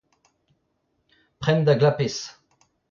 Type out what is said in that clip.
prenn da glapez !